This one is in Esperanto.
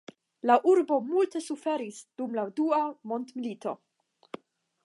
La urbo multe suferis dum la Dua Mondmilito.